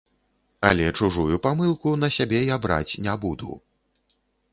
Але чужую памылку на сябе я браць не буду!